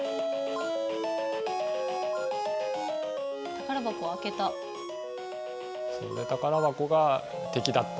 宝箱を開けた。